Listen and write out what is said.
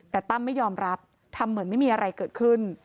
แต่ตั้มไม่ยอมรับทำเหมือนไม่มีอะไรเกิดขึ้น